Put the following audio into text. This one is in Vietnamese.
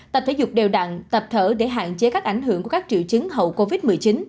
tập thể dục đều đặn tập thở để hạn chế các ảnh hưởng của các triệu chứng hậu covid một mươi chín